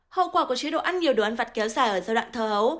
hậu quả của chế độ ăn nhiều đồ ăn vặt kéo dài ở giai đoạn thơ ấu